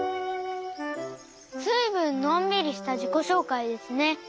ずいぶんのんびりしたじこしょうかいですね。